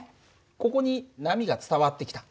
ここに波が伝わってきた。